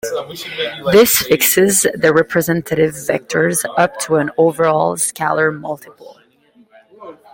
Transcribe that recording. This fixes the representative vectors up to an overall scalar multiple.